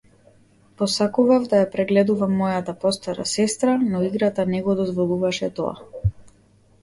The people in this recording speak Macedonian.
Посакував да ја прегледувам мојата постара сестра, но играта не го дозволуваше тоа.